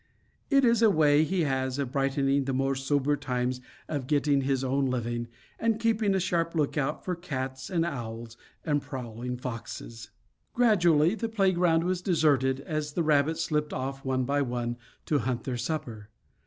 It is a way he has of brightening the more sober times of getting his own living, and keeping a sharp lookout for cats and owls and prowling foxes. Gradually the playground was deserted, as the rabbits slipped off one by one to hunt their supper.